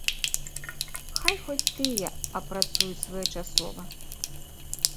Хай хоць тыя апрацуюць своечасова.